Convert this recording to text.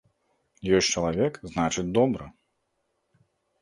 Ёсць чалавек, значыць, добра.